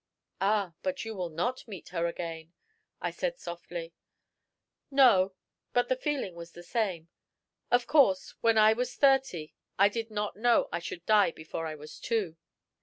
"Ah! but you will not meet her again," I said softly. "No; but the feeling was the same. Of course, when I was thirty I did not know I should die before I was two.